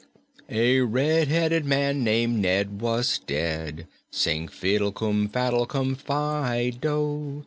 "A red headed man named Ned was dead; Sing fiddle cum faddle cum fi do!